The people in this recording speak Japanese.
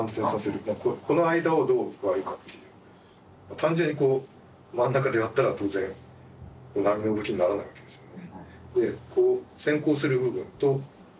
単純に真ん中で割ったら当然波の動きにならないわけですよね。